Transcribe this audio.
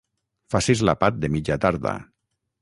Facis l'àpat de mitja tarda.